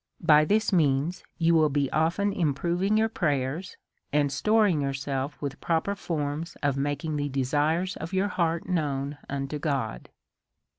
By this means you would be often improving your prayers, and storing yourself with proper forms of making the desires of your heart known unto God.